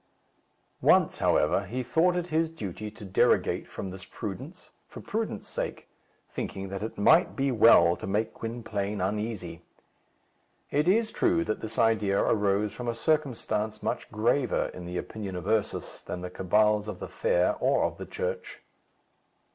Once, however, he thought it his duty to derogate from this prudence, for prudence' sake, thinking that it might be well to make Gwynplaine uneasy. It is true that this idea arose from a circumstance much graver, in the opinion of Ursus, than the cabals of the fair or of the church.